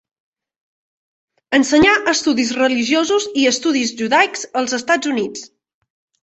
Ensenyà estudis religiosos i estudis judaics als Estats Units.